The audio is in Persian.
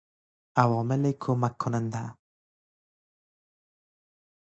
عوامل کمک کننده